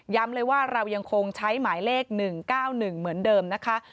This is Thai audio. เลยว่าเรายังคงใช้หมายเลข๑๙๑เหมือนเดิมนะคะ